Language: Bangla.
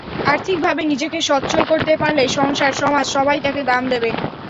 আর্থিকভাবে নিজেকে সচ্ছল করতে পারলে সংসার, সমাজ সবাই তাঁকে দাম দেবে।